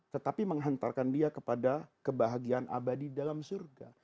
tetapi menghantarkan dia kepada kebahagiaan abadi dalam surga